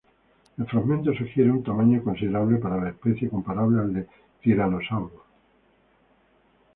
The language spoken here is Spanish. El fragmento sugiere un tamaño considerable para la especie, comparable al de "Tyrannosaurus".